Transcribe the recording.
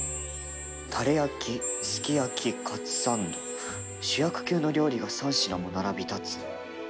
タレ焼きすき焼きカツサンド主役級の料理が３品も並び立つ